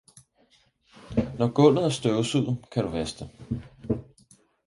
Når gulvet er støvsuget, kan du vaske det.